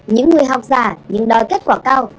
những người học giả nhưng đòi kết quả cao